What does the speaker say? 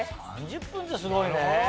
３０分ってすごいね！